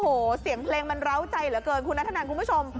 โอ้โหเสียงเพลงมันร้าวใจเหลือเกินคุณนัทธนันคุณผู้ชม